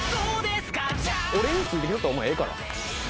「俺についてきよったらお前ええから」